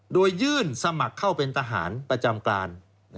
โดยยื่นสมัครเข้าเป็นทหารประจำการ